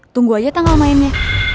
tunggu aja tanggal mainnya